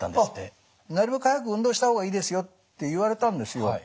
なるべく早く運動した方がいいですよって言われたんですよ。